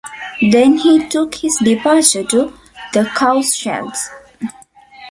Then he took his departure to the cowsheds.